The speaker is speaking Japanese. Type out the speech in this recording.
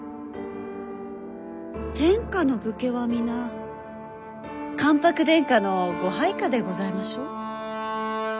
天下の武家は皆関白殿下のご配下でございましょう？